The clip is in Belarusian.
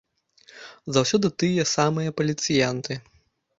Заўсёды тыя самыя паліцыянты.